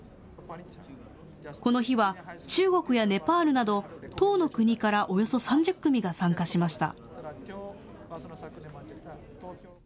この日は中国やネパールなど１０の国からおよそ３０組が参加しました。